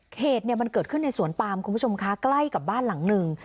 เหตุเนี่ยมันเกิดขึ้นในสวนปามคุณผู้ชมคะใกล้กับบ้านหลังหนึ่ง